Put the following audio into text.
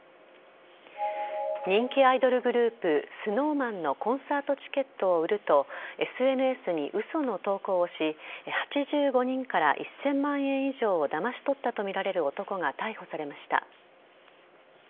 人気アイドルグループＳｎｏｗＭａｎのコンサートチケットを売るとＳＮＳに嘘の投稿をし８５人から１０００万円以上をだまし取ったとみられる男が逮捕されました。